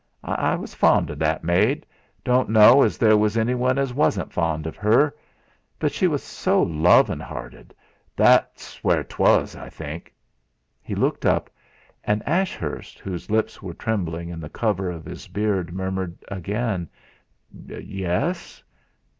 "I was fond o' that maid don' know as there was anyone as wasn' fond of 'er. But she was to lovin' '.arted that's where '.was, I think." He looked up. And Ashurst, whose lips were trembling in the cover of his beard, murmured again: "Yes?"